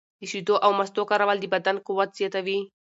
د شیدو او مستو کارول د بدن قوت زیاتوي.